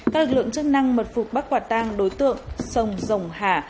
các lực lượng chức năng mật phục bắt quả tàng đối tượng sông rồng hà